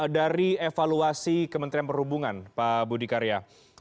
dari evaluasi kementerian perhubungan pak budi karya